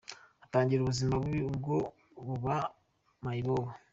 atangira ubuzima bubi bwo kuba mayibobo.